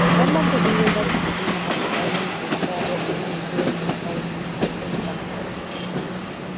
Han mantenido una disciplina monetaria e intentado seducir a inversores extranjeros.